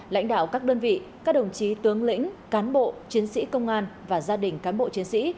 lãnh đạo các đơn vị các đồng chí tướng lĩnh cán bộ chiến sĩ công an và gia đình cán bộ chiến sĩ